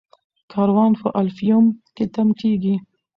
کاروان په الفیوم کې تم کیږي.